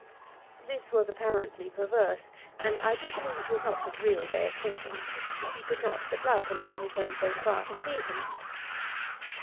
This was apparently perverse; and I do believe it was not his real way of thinking: he could not but like a man who came so far to see him.